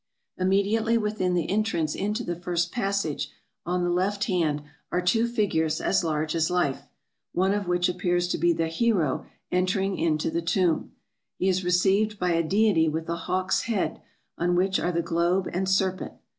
Immediately within the entrance into the first passage, on the left hand, are two figures as large as life, one of which appears to be the hero entering into the tomb. He is re ceived by a deity with a hawk's head, on which are the globe and serpent.